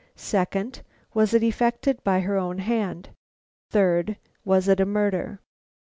Second: was it effected by her own hand? Third: was it a murder?